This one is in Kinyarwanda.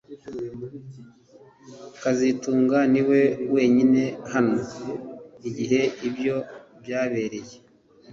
kazitunga niwe wenyine hano igihe ibyo byabereye